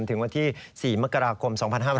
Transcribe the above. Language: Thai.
ถึงวันที่๔มกราคม๒๕๕๙